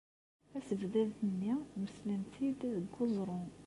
Asebdad-nni meslen-t-id deg weẓru.